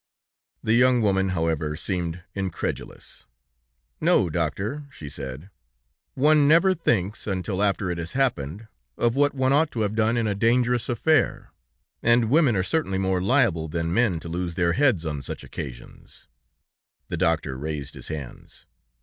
The young woman, however, seemed incredulous. ... "No, doctor," she said, "one never thinks until after it has happened, of what one ought to have done in a dangerous affair, and women are certainly more liable than men to lose their heads on such occasions." The doctor raised his hands.